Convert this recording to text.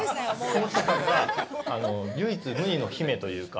友近さんが唯一無二の姫というか。